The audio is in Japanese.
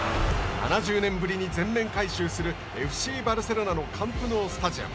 ７０年ぶりに全面改修するＦＣバルセロナのカンプノウスタジアム。